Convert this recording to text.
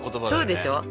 そうでしょ？